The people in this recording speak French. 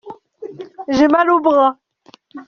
J’ai mal au bras.